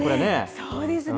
そうですね。